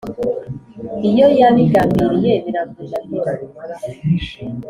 iyo yabigambiriye biramunanira